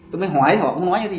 tôi mới hỏi họ có nói gì